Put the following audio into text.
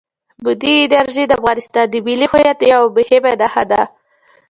بادي انرژي د افغانستان د ملي هویت یوه مهمه نښه ده.